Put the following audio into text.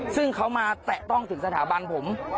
ซึ่งเขามาแตะต้องถึงสถาบันผม